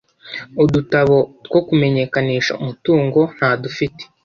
udutabo two kumenyekanisha umutungo ndadufite